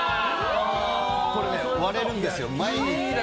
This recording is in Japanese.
これね、割れるんですよ。